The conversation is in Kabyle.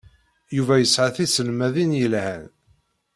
Yuba yesɛa tiselmadin yelhan.